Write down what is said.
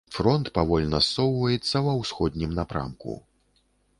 Фронт павольна ссоўваецца ва ўсходнім напрамку.